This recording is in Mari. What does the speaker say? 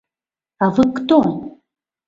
А вы кто?